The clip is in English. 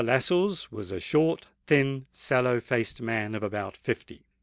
Lascelles was a short, thin, sallow faced man of about fifty.